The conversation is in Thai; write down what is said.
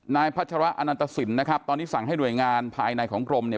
พัชระอนันตสินนะครับตอนนี้สั่งให้หน่วยงานภายในของกรมเนี่ย